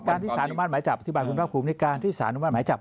การที่สารอุมารหมายจับอธิบายคุณครอบครูในการที่สารอุมารหมายจับ